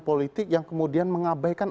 politik yang kemudian mengabaikan